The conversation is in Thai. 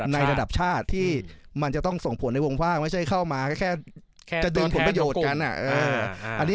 ระดับชาติที่มันจะต้องส่งผลในวงว่างไม่ใช่เข้ามาก็แค่จะเดินผลประโยชน์กัน